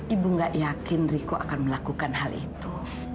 ibu gak yakin riko akan melakukan hal itu